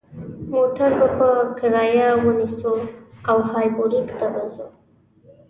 موټر به په کرایه ونیسو او هامبورګ ته به ځو.